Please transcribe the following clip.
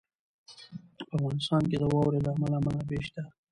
په افغانستان کې د واورو له امله منابع شته.